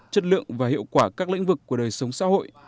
chất lượng và hiệu quả các lĩnh vực của đời sống xã hội